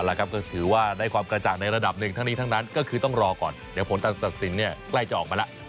แล้วก็ถือว่าได้ความกระจ่างในระดับหนึ่งทั้งนี้ทั้งนั้นก็คือต้องรอก่อนเดี๋ยวผลการตัดสินใกล้จะออกมาแล้ว